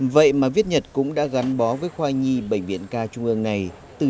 vậy mà viết nhật cũng đã gắn bó với khoa nhi bệnh viện ca trung ương này